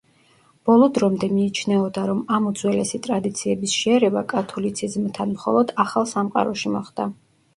ბოლო დრომდე მიიჩნეოდა რომ ამ უძველესი ტრადიციების შერევა კათოლიციზმთან მხოლოდ ახალ სამყაროში მოხდა.